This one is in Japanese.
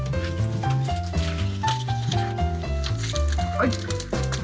はい。